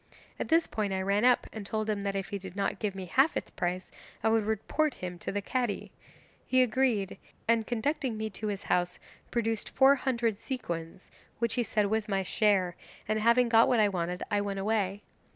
At this point I ran up and told him that if he did not give me half its price I would report him to the Cadi; he agreed, and conducting me to his house produced four hundred sequins, which he said was my share, and having got what I wanted I went away.